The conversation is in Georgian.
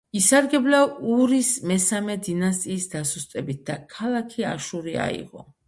ისარგებლა ურის მესამე დინასტიის დასუსტებით და ქალაქი აშური აიღო.